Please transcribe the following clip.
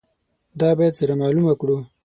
دا باید سره معلومه کړو.